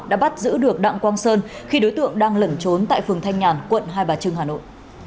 đã bắt giữ được đặng quang sơn khi đối tượng đang lẩn trốn tại phường thanh nhàn quận hai bà trưng hà nội